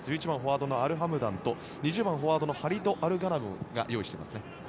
１１番、フォワードのアルハムダンと２０番、フォワードハリド・アルガナムが用意しています。